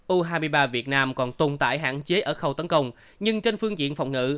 u hai mươi ba việt nam còn tồn tại hạn chế ở khâu tấn công nhưng trên phương diện phòng nữ